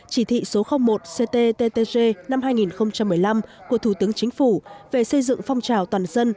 chỉ thị số một cttg năm hai nghìn một mươi năm của thủ tướng chính phủ về xây dựng phong trào toàn dân